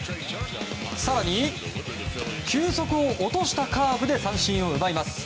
更に、球速を落としたカーブで三振を奪います。